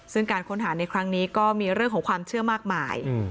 ซึ่งการค้นหาในครั้งนี้ก็มีเรื่องของความเชื่อมากมาย